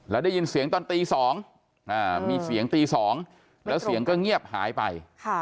แล้วได้ยินเสียงตอนตี๒มีเสียงตี๒แล้วเสียงก็เงียบหายไป